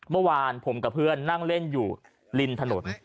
เมื่อวานผมกับเพื่อนนั่งเล่นอยู่ริมถนน